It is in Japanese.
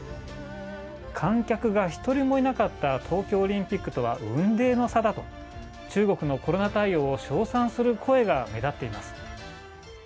観客が一人もいなかった東京オリンピックとは雲泥の差だと、中国のコロナ対応を称賛する声が目立っています。